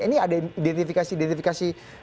ini ada identifikasi identifikasi